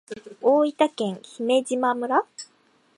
大分県姫島村